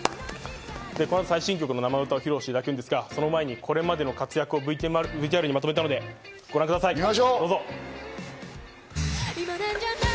この後、最新曲の生歌を披露していただくんですが、その前にこれまでの活躍をＶＴＲにまとめたので、ご覧ください。